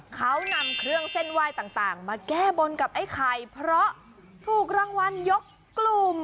เขานำเครื่องเส้นไหว้ต่างมาแก้บนกับไอ้ไข่เพราะถูกรางวัลยกกลุ่ม